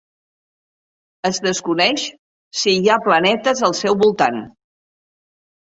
Es desconeix si hi ha planetes al seu voltant.